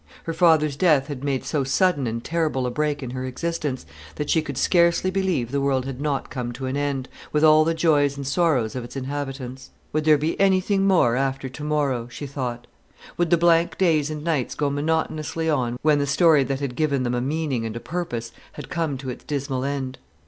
Her father's death had made so sudden and terrible a break in her existence, that she could scarcely believe the world had not come to an end, with all the joys and sorrows of its inhabitants. Would there be anything more after to morrow? she thought; would the blank days and nights go monotonously on when the story that had given them a meaning and a purpose had come to its dismal end?